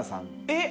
えっ！